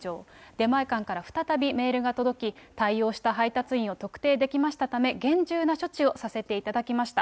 出前館から再びメールが届き、対応した配達員を特定できましたため、厳重な処置をさせていただきました。